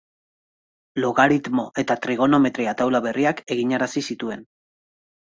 Logaritmo- eta trigonometria-taula berriak eginarazi zituen.